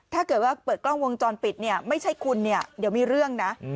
ถ้าเกิดว่าเปิดกล้องวงจรปิดเนี่ยไม่ใช่คุณเนี่ยเดี๋ยวมีเรื่องนะ